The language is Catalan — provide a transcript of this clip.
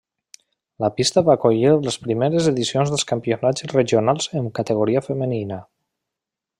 La pista va acollir les primeres edicions dels campionats regionals en categoria femenina.